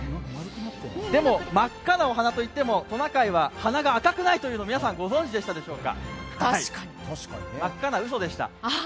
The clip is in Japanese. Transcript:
でも、真っ赤なお鼻といってもトナカイは鼻が赤くないというのを皆さん、ご存じでしたでしょうか。